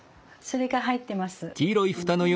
それが入ってます。